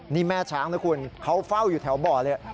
นี่แม่ช้างนะคุณเขาเฝ้าอยู่แถวบ่อเลย